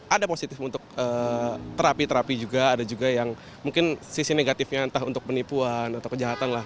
ada positif untuk terapi terapi juga ada juga yang mungkin sisi negatifnya entah untuk penipuan atau kejahatan lah